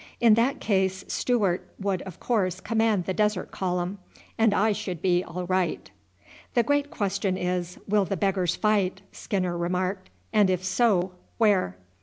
In that case Stewart would of course command the desert column, and I should be all right." "The great question is, will the beggars fight?" Skinner remarked; "and if so, where?"